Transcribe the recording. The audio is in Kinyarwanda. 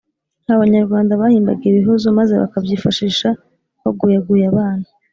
abanyarwanda bahimbaga ibihozo maze bakabyifashisha baguyaguya abana